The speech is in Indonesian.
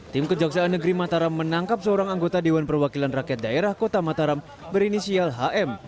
tim kejaksaan negeri mataram menangkap seorang anggota dewan perwakilan rakyat daerah kota mataram berinisial hm